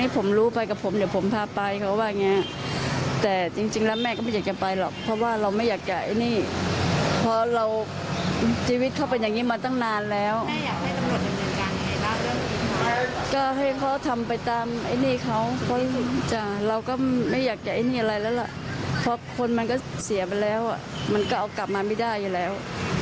เสียไปแล้วอ่ะมันก็เอากลับมาไม่ได้อยู่แล้ว